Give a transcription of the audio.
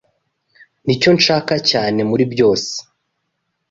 Nicyo nshaka cyane muri byose.